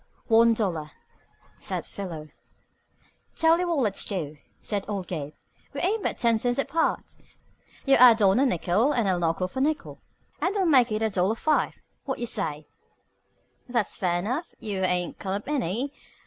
"One dollar," said Philo. "Tell you what let's do," said old Gabe. "We ain't but ten cents apart. You add on a nickel and I'll knock off a nickel, and we'll make it a dollar five. What say? That's fair enough. You ain't come up any.